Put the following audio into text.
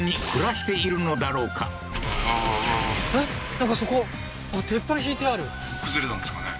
なんかそこ鉄板敷いてある崩れたんですかね？